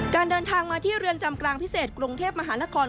เดินทางมาที่เรือนจำกลางพิเศษกรุงเทพมหานคร